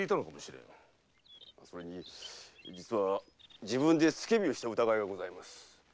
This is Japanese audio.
それに実は自分で付け火をした疑いがございます。